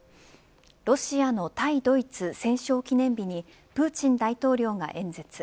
ロシアの対ドイツ戦勝記念日にプーチン大統領が演説。